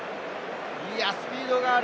スピードがある。